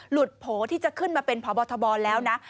โผล่ที่จะขึ้นมาเป็นพบทบแล้วนะ